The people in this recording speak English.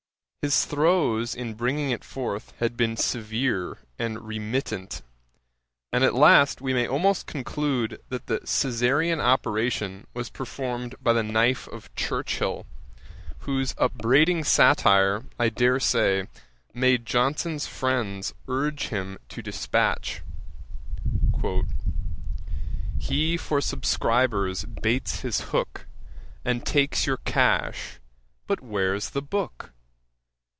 His throes in bringing it forth had been severe and remittent; and at last we may almost conclude that the Caesarian operation was performed by the knife of Churchill, whose upbraiding satire, I dare say, made Johnson's friends urge him to dispatch, 'He for subscribers bates his hook, And takes your cash; but where's the book?